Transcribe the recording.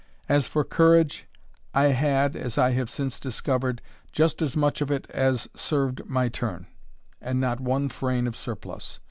As for courage, I had, as I have since discovered, just as much of it as serve'd my turn, and not one frain of surplus.